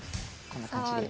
こんな感じで。